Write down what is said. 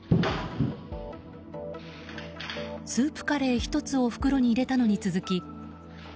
スープカレー１つを袋に入れたのに続き